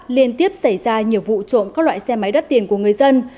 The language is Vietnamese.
liên tiếp xảy ra nhiều vụ trộm các loại xe máy đắt tiền của người dân